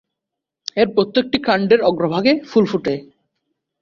এর প্রত্যেকটি কাণ্ডের অগ্রভাগে ফুল ফোটে।